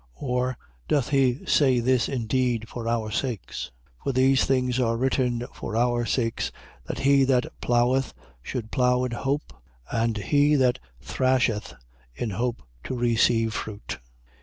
9:10. Or doth he say this indeed for our sakes? For these things are written for our sakes: that he that plougheth, should plough in hope and he that thrasheth, in hope to receive fruit.